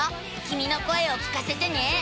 きみの声を聞かせてね。